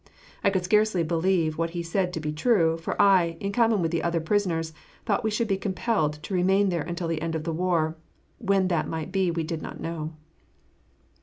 I could scarcely believe what he said to be true, for I, in common with the other prisoners, thought we should be compelled to remain there until the end of the war, and when that might be we did not know.